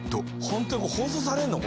本当に放送されんの？